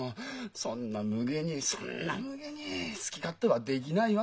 そんなむげにそんなむげに好き勝手はできないわ」